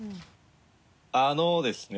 あのですね